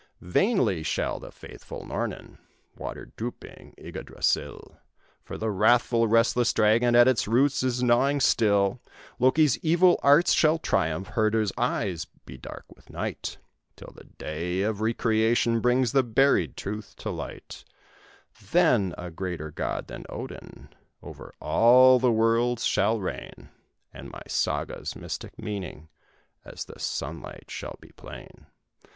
"Vainly shall the faithful Nornen Water drooping Yggdrasill, For the wrathful, restless dragon At its roots is gnawing still. Loké's evil arts shall triumph, Hörder's eyes be dark with night, Till the day of re creation Brings the buried Truth to light: Then a greater god than Odin, Over all the worlds shall reign, And my Saga's mystic meaning, As the sunlight shall be plain.